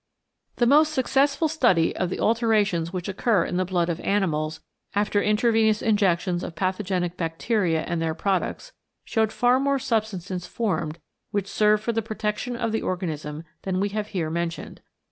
The most successful study of the alterations which occur in the blood of animals, after in travenous injections of pathogenic bacteria and their products, showed far more substances formed which serve for the protection of the organism than we have here mentioned.